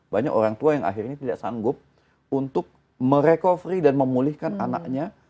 banyak orang tua yang akhirnya tidak sanggup untuk merecovery dan memulihkan anaknya